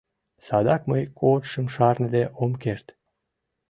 Садак мый кодшым шарныде ом керт.